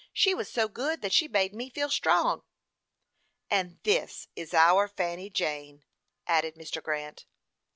She was so good that she made me feel strong." "And this is our Fanny Jane!" added Mr. Grant.